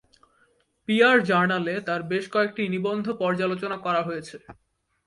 Peer জার্নালে তাঁর বেশ কয়েকটি নিবন্ধ পর্যালোচনা করা হয়েছে।